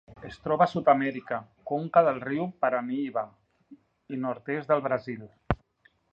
Es troba a Sud-amèrica: conca del riu Parnaíba i nord-est del Brasil.